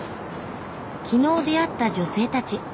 昨日出会った女性たち。